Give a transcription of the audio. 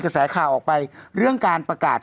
กระแสข่าวออกไปเรื่องการประกาศ